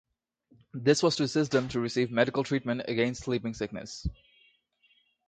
This was to assist them to receive medical treatment against sleeping sickness.